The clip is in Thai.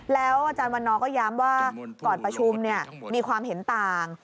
แล้วอาจารย์วันนอร์ก็ย้ำว่าก่อนประชุมมีความเห็นต่าง